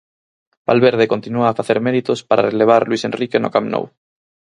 Valverde continúa a facer méritos para relevar Luis Enrique no Camp Nou.